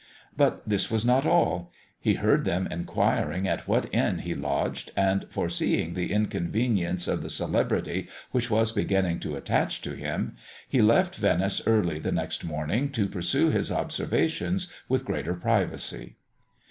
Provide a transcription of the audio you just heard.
But this was not all: he heard them inquiring at what inn he lodged; and foreseeing the inconvenience of the celebrity which was beginning to attach to him, he left Venice early the next morning, to pursue his observations with greater privacy.